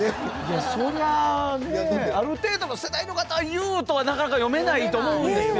そりゃあねある程度の世代の方は「ゆう」とはなかなか読めないと思うんですよ。